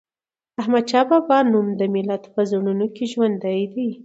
د احمد شاه بابا نوم د ملت په زړونو کې ژوندی دی.